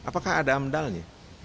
apakah ada amdalnya